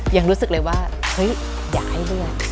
ยังรู้สึกเลยว่าอยากให้เลือด